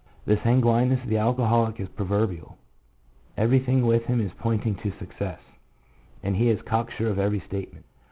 The sanguineness of the alcoholic is proverbial ; everything with him is pointing to success, and he is cocksure of every statement.